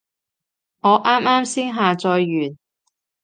我啱啱先下載完